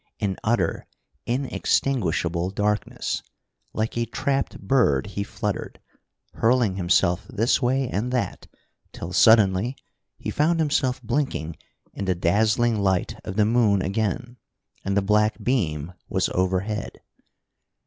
In utter, inextinguishable darkness! Like a trapped bird he fluttered, hurling himself this way and that till suddenly he found himself blinking in the dazzling light of the moon again, and the black beam was overhead.